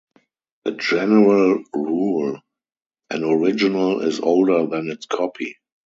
A general rule, an original is older than its copy.